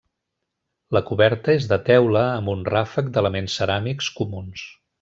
La coberta és de teula amb un ràfec d'elements ceràmics comuns.